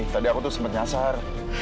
tadi aku tuh sempat nyasar